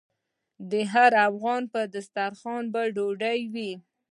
د هر افغان په دسترخان به ډوډۍ وي؟